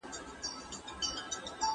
معصوم له خپلې خور څخه ډالۍ غواړي.